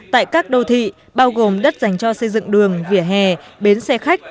tại các đô thị bao gồm đất dành cho xây dựng đường vỉa hè bến xe khách